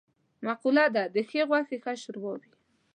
مقوله ده: د ښې غوښې ښه شوروا وي.